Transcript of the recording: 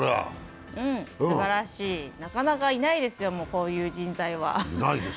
すばらしい、なかなかいないですよ、こういう人材は。